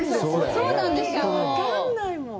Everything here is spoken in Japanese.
そうなんですよ。